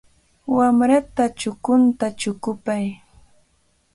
Wamrata chukunta chukupay.